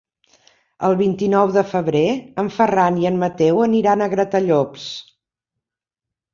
El vint-i-nou de febrer en Ferran i en Mateu aniran a Gratallops.